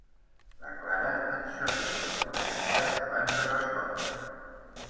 La Clara en xarrupa una mica, abans de respondre.